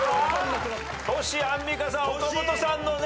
トシアンミカさん岡本さんのね